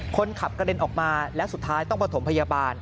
คนขับกระเด็นออกมาและสุดท้ายต้องประถมพยาบาล